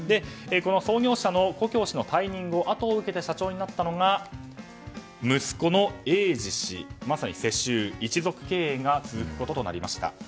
創業者の古京氏の退任のあとを受けて社長になったのが息子の英司氏まさに世襲、一族経営が続くこととなりました。